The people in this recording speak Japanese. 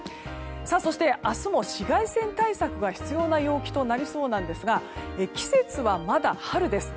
そして、明日も紫外線対策が必要な陽気となりそうですが季節はまだ春です。